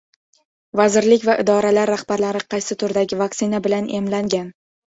Vazirlik va idoralar rahbarlari qaysi turdagi vaksina bilan emlangan?